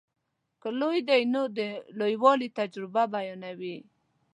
که لوی دی نو د لویوالي تجربه بیانوي.